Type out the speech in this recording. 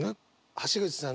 橋口さん